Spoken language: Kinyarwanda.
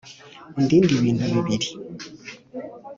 Undinde ibintu bibiri.